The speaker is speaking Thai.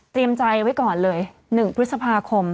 ใจไว้ก่อนเลย๑พฤษภาคม